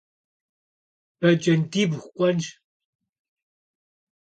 Бэджэндибгъу кӀуэнщ.